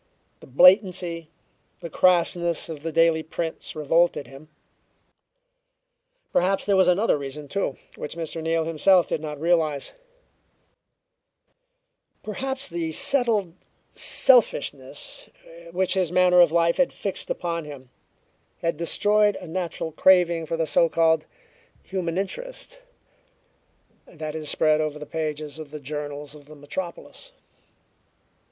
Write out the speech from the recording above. The blatancy, the crassness of the daily prints revolted him. Perhaps there was another reason, too, which Mr. Neal himself did not realize; perhaps the settled selfishness which his manner of life had fixed upon him had destroyed a natural craving for the so called "human interest" that is spread over the pages of the journals of the metropolis.